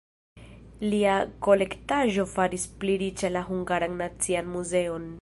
Lia kolektaĵo faris pli riĉa la Hungaran Nacian Muzeon.